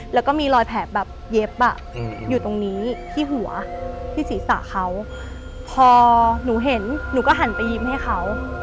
แล้วก็มีรอยแผลแบบเย็บอ่ะอยู่ตรงนี้ที่หัวที่ศีรษะเขาพอหนูเห็นหนูก็หันไปยิ้มให้เขา